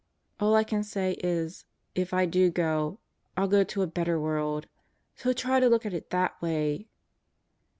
All I can say is, if I do go, I'll go to a better world. So try to look at it that way.